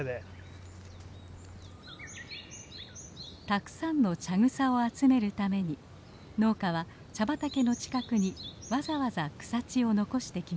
たくさんの茶草を集めるために農家は茶畑の近くにわざわざ草地を残してきました。